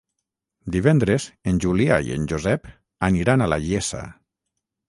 Divendres en Julià i en Josep aniran a la Iessa.